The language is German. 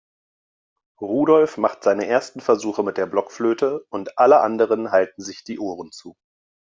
Rudolf macht seine ersten Versuche mit der Blockflöte und alle anderen halten sich die Ohren zu.